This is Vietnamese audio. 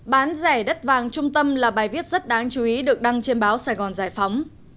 bán rẻ đất vàng trung tâm là bài viết rất đáng chú ý được đăng trên báo sài gòn giải phóng